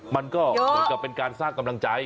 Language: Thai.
มันก็เหมือนกับเป็นการสร้างกำลังใจ